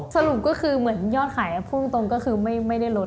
สรุปก็คือเหมือนยอดขายพูดตรงก็คือไม่ได้ลด